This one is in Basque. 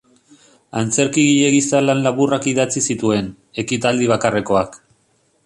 Antzerkigile gisa lan laburrak idatzi zituen, ekitaldi bakarrekoak.